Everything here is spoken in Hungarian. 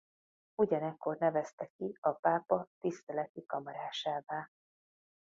Ugyanekkor nevezte ki a pápa tiszteleti kamarásává.